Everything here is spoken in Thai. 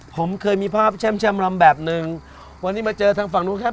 ผมเคยมีภาพแช่มแช่มลำแบบหนึ่งวันนี้มาเจอทางฝั่งนู้นครับ